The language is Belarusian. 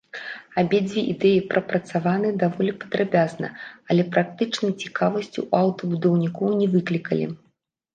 Абедзве ідэі прапрацаваны даволі падрабязна, але практычнай цікавасці ў аўтабудаўнікоў не выклікалі.